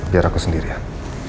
biar aku sendirian